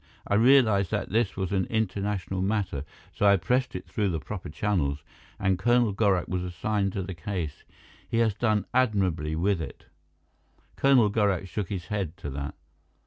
I realized that this was an international matter, so I pressed it through proper channels, and Colonel Gorak was assigned to the case. He has done admirably with it." Colonel Gorak shook his head to that.